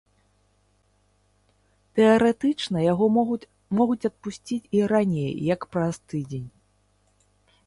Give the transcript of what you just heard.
Тэарэтычна яго могуць адпусціць і раней як праз тыдзень.